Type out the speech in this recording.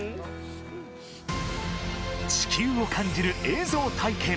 地球を感じる映像体験。